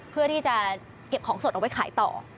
เพื่อที่จะเก็บของสดเอาไว้ขายต่อ